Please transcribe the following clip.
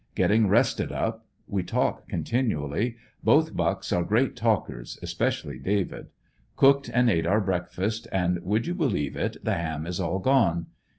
Getting rested up. We talk continually. Both Bucks are great talkers, especially David. Cooked and ate our breakfast, and would you believe it the ham is all gone.